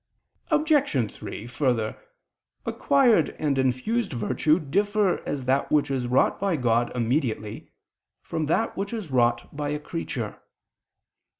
Obj. 3: Further, acquired and infused virtue differ as that which is wrought by God immediately, from that which is wrought by a creature.